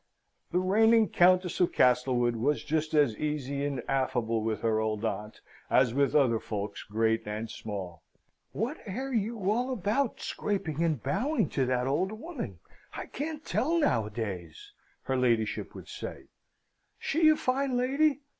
The reigning Countess of Castlewood was just as easy and affable with her old aunt, as with other folks great and small. "What air you all about, scraping and bowing to that old woman, I can't tell, noways!" her ladyship would say. "She a fine lady!